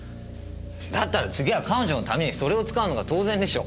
だったら次は彼女のためにそれを使うのが当然でしょ。